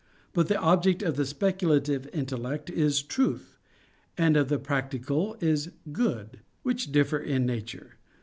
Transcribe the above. But the object of the speculative intellect is truth, and of the practical is good; which differ in nature.